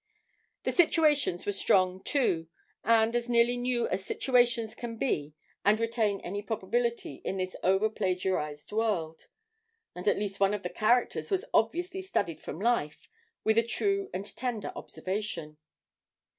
The situations were strong, too, and as nearly new as situations can be and retain any probability in this over plagiarised world; and at least one of the characters was obviously studied from life with a true and tender observation.